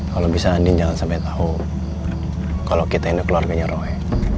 kalau bisa andin jangan sampai tahu kalau kita ini keluarganya roh